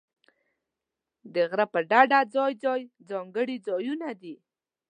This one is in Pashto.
د غره پر ډډه ځای ځای ځانګړي ځایونه دي.